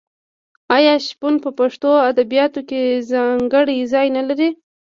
آیا شپون په پښتو ادبیاتو کې ځانګړی ځای نلري؟